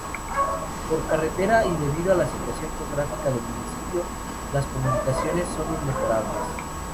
Por carretera, y debido a la situación geográfica del municipio, las comunicaciones son inmejorables.